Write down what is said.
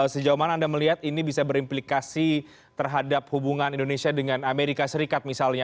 sejauh mana anda melihat ini bisa berimplikasi terhadap hubungan indonesia dengan amerika serikat misalnya